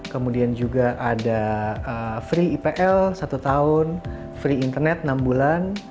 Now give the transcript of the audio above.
kemudian juga ada free ipl satu tahun free internet enam bulan